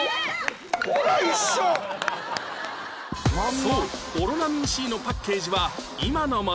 そうオロナミン Ｃ のパッケージは今のもの